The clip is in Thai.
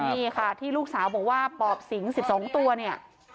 นี่ค่ะที่ลูกสาวบอกว่าปอบสิง๑๒ตัวเนี่ย